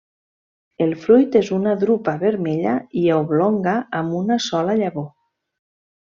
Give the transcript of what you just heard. El fruit és una drupa vermella i oblonga amb una sola llavor.